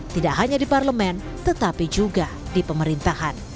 tidak hanya di parlemen tetapi juga di pemerintahan